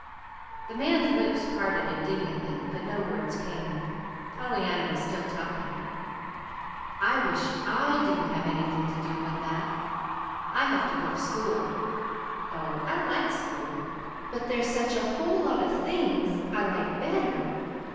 The man's lips parted indignantly, but no words came. Pollyanna was still talking. "I wish I didn't have anything to do but that. I have to go to school. Oh, I like school; but there's such a whole lot of things I like better.